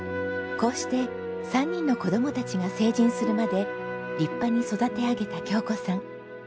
こうして３人の子供たちが成人するまで立派に育て上げた京子さん。